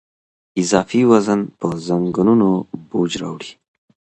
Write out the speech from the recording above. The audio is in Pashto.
اضافي وزن په زنګونونو بوج راوړي.